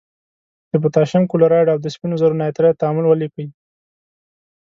د پوتاشیم کلورایډ او د سپینو زور نایتریت تعامل ولیکئ.